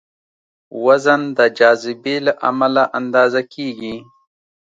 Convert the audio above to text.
وزن د جاذبې له امله اندازه کېږي.